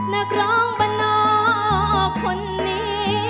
นักร้องบรรนอกคนนี้